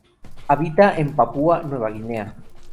Habita en Papúa Nueva Guinea.